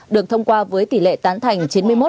được thông qua với tỷ lệ tán thành